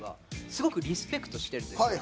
すごくリスペクトしてると。